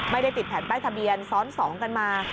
ไม่ได้ติดแผ่นป้ายทะเบียนซ้อน๒กันมา